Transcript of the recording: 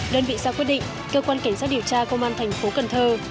đơn vị ra quyết định cơ quan cảnh sát điều tra công an thành phố cần thơ